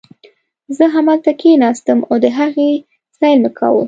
زه همالته کښېناستم او د هغې سیل مې کاوه.